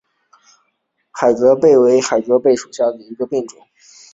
范蠡弯贝介为弯贝介科弯贝介属下的一个种。